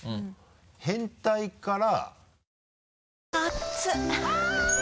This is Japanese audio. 変態から。